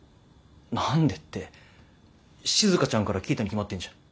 何でってしずかちゃんから聞いたに決まってんじゃん。